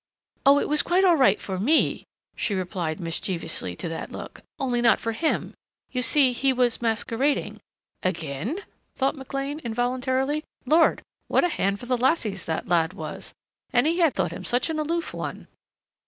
"Oh, it was quite all right for me" she replied mischievously to that look. "Only not for him. You see, he was masquerading " "Again?" thought McLean, involuntarily. Lord, what a hand for the lassies that lad was and he had thought him such an aloof one!